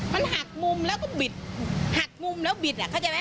มันหักมุมแล้วก็บิดหักมุมแล้วบิดอ่ะเข้าใจไหม